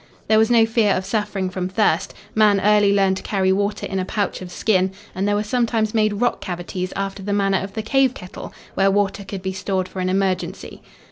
There was no fear of suffering from thirst. Man early learned to carry water in a pouch of skin and there were sometimes made rock cavities, after the manner of the cave kettle, where water could be stored for an emergency.